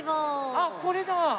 あっこれだ。